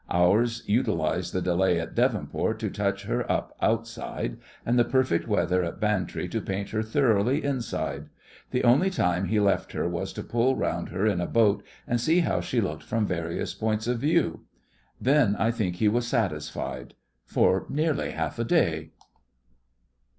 Ours utilised the delay at Devonport to touch her up outside; and the perfect weather at Bantry to paint her thoroughly inside. The only time he left her was to pull round her in a boat and see how she looked from various points of view. Then I think he was satisfied—for nearly half a day.